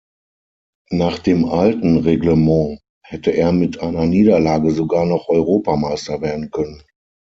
Nach dem alten Reglement hätte er mit einer Niederlage sogar noch Europameister werden können.